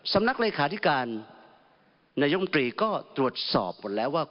เลขาธิการนายมตรีก็ตรวจสอบหมดแล้วว่า